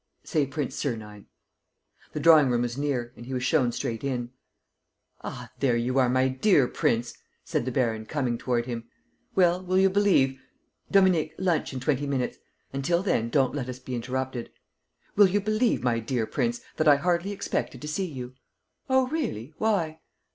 "Say Prince Sernine." The drawing room was near and he was shown straight in. "Ah, there you are, my dear prince!" said the baron, coming toward him. "Well, will you believe Dominique, lunch in twenty minutes. Until then, don't let us be interrupted will you believe, my dear prince, that I hardly expected to see you?" "Oh, really? Why?"